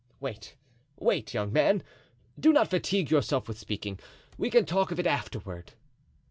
"Wait, wait, young man; do not fatigue yourself with speaking. We can talk of it afterward."